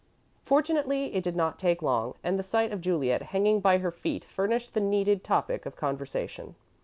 Fortunately, it did not take long and the sight of Juliet hanging by her feet furnished the needed topic of conversation.